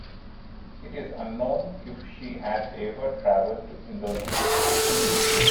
It is unknown if she had ever traveled to Indonesia.